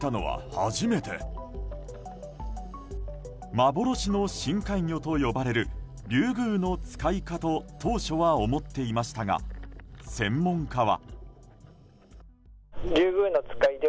幻の深海魚と呼ばれるリュウグウノツカイかと当初は思っていましたが専門家は。